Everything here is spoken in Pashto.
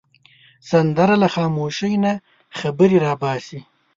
سندره له خاموشۍ نه خبرې را باسي